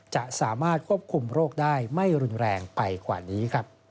จะสามารถควบคุมโรคได้ไม่รุนแรงไปกว่านี้